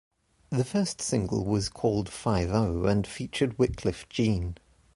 The first single was called "Five-O" and featured Wyclef Jean.